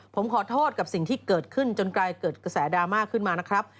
ผมขอโทษกับสิ่งที่เกิดขึ้นจนกลายเกิดกระแสดราม่าขึ้นมานะครับ